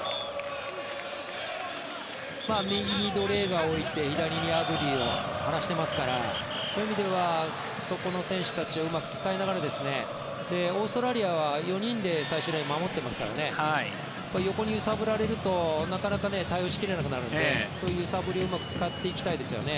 右にドレーガーを置いて左にアブディをはらしてますからそういう意味ではそこの選手たちをうまく使いながらオーストラリアは４人で最終ライン守ってますから横に揺さぶられると対応しきれなくなるのでそういう揺さぶりをうまく使っていきたいですね。